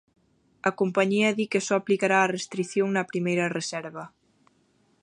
A compañía di que só aplicará a restrición na primeira reserva.